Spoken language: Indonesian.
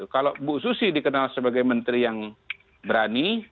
kalau bu susi dikenal sebagai menteri yang berani